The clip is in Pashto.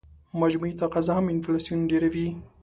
مجموعي تقاضا هم انفلاسیون ډېروي.